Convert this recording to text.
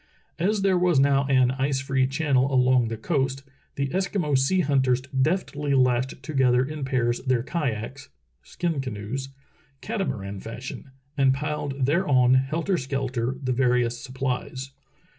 As there was now an ice free channel along the coast, the Eskimo sea hunters deftly lashed together in pairs their kayaks (skin canoes), catamaran fashion, and piled thereon helter skelter the various supplies.